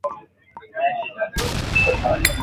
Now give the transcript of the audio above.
acha mafuta yapate moto